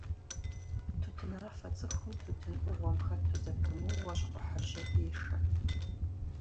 Тутынафэ цӀыхум тутын Ӏугъуэм хэту зэпымыууэ щхъухьыр жьэдешэ.